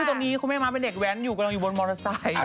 ตอนนี้คุณแม่ม้าเป็นเด็กแว้นอยู่กำลังอยู่บนมอเตอร์ไซค์